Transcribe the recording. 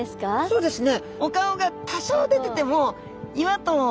そうですね。